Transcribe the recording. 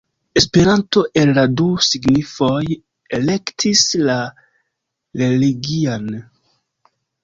Esperanto el la du signifoj elektis la religian.